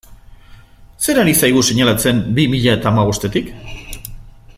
Zer ari zaigu seinalatzen bi mila eta hamabostetik?